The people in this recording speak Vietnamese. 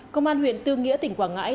công an huyện tương nghĩa tỉnh quảng ngãi